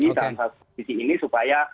dalam hal ini supaya